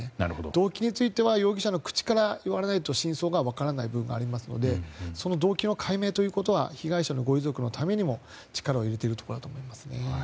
動機については容疑者の口から言われないと真相が分からない部分がありますのでその動機の解明ということは被害者のご遺族のためにも力を入れているところだと思いますね。